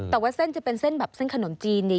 แต่ว่าเส้นจะเป็นเส้นแบบเส้นขนมจีน